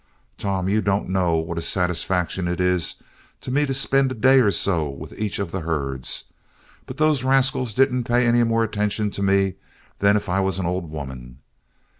Tom, you don't know what a satisfaction it is to me to spend a day or so with each of the herds. But those rascals didn't pay any more attention to me than if I was an old woman.